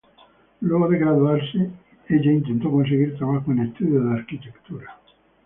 Luego de graduarse, ella intentó conseguir trabajo en estudios de arquitectura.